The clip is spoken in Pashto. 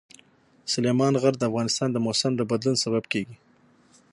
سلیمان غر د افغانستان د موسم د بدلون سبب کېږي.